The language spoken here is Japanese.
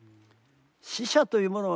死者というものはね